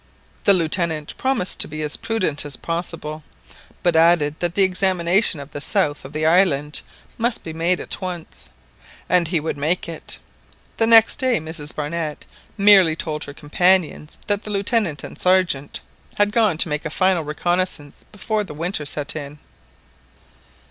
The Lieutenant promised to be as prudent as possible; but added that the examination of the south of the island must be made at once, and he would make it. The next day Mrs Barnett merely told her companions that the Lieutenant and the Sergeant had gone to make a final reconnaissance before the winter set in.